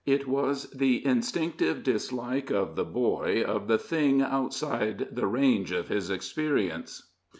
It was the instinctive dislike of the boy of the thing outside the range of his experi ence.